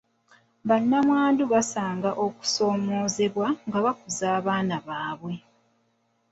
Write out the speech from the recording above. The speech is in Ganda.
Bannamwandu basanga okusoomoozebwa nga bakuza abaana baabwe.